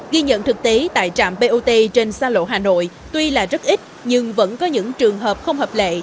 ghi nhận thực tế tại trạm bot trên xa lộ hà nội tuy là rất ít nhưng vẫn có những trường hợp không hợp lệ